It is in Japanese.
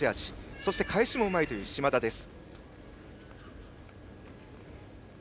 そして返しもうまい嶋田です。